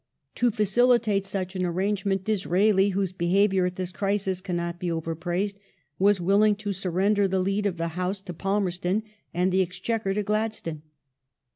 To facilitate such an aiTangement Disraeli, whose behaviour at this crisis cannot be over praised, was willing to sur render the lead of the House to Palmerston and the Exchequer to Gladstone.